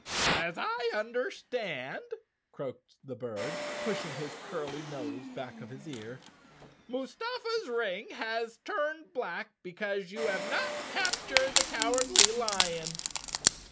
"As I understand," croaked the bird, pushing his curly nose back of his ear, "Mustafa's ring has turned black be¬ cause you have not captured the Cowardly Lion?"